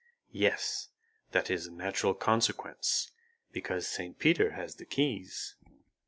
"Yes, that is a natural consequence, because St. Peter has the keys."